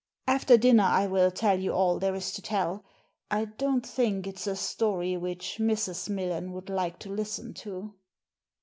After dinner I will tell you all there is to tell. I don't think it's a story which Mrs. Millen would like to listen to."